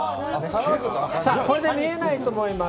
これで見えないと思います。